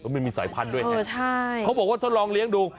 ไม่มีสายพันธุ์ด้วยไงเขาบอกว่าทดลองเลี้ยงดู